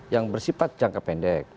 yang bersifat jangka pendek